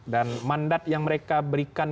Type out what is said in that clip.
dan mandat yang mereka berikan